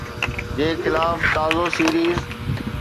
جي خلاف تازو سيريز